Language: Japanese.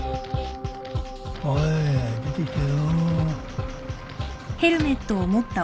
おい出てきたよ。